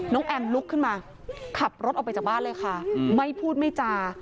แอมลุกขึ้นมาขับรถออกไปจากบ้านเลยค่ะไม่พูดไม่จา